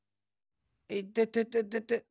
いててててて。